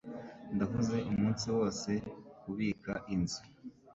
Ndahuze umunsi wose kubika inzu.